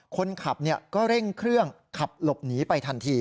คนขับก็เร่งเครื่องขับหลบหนีไปทันที